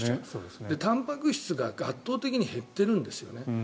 たんぱく質が圧倒的に減っているんですよね。